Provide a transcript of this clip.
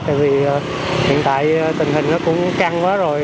tại vì hiện tại tình hình nó cũng căng quá rồi